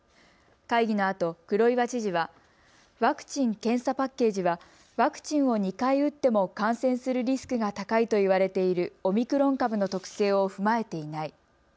会議のあと黒岩知事はワクチン・検査パッケージはワクチンを２回打っても感染するリスクが高いと言われているオミクロン株の特性を踏まえていない。